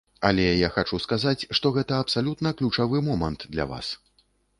Але я хачу сказаць, што гэта абсалютна ключавы момант для вас.